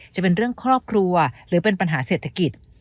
จะเป็นเรื่องครอบครัวหรือเป็นปัญหาเศรษฐกิจ